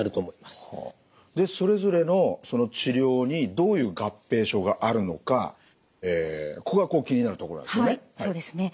でそれぞれの治療にどういう合併症があるのかここが気になるところなんですよね。